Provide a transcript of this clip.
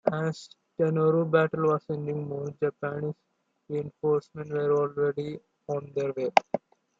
As the Tenaru battle was ending, more Japanese reinforcements were already on their way.